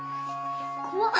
怖っ！